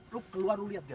lo liat tuh siapa tuh dia